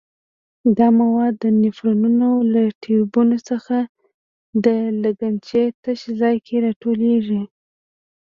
دا مواد د نفرونونو له ټیوبونو څخه د لګنچې تش ځای کې را ټولېږي.